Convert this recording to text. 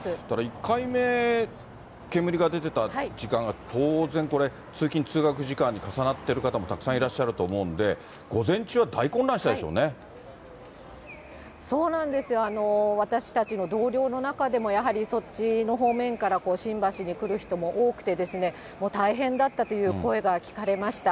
１回目、煙が出てた時間が当然これ、通勤・通学時間に重なってる方もたくさんいらっしゃると思うんで、そうなんですよ、私たちの同僚の中でも、やはりそっちの方面から新橋に来る人も多くて、大変だったという声が聞かれました。